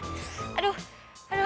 tapi untung aja